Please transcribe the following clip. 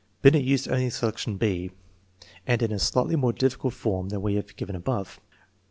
Binet used only selection (&), and in a slightly more difficult form than we have given above.